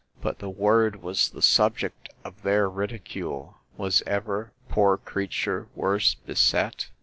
But the word was the subject of their ridicule. Was ever poor creature worse beset!